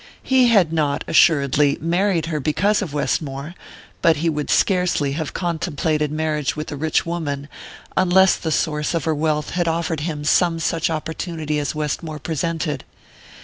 He had not, assuredly, married her because of Westmore; but he would scarcely have contemplated marriage with a rich woman unless the source of her wealth had offered him some such opportunity as Westmore presented.